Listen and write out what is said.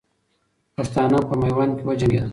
پښتانه په میوند کې وجنګېدل.